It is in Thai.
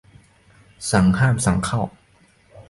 สั่งห้ามสั่งเข้า